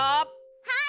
はい！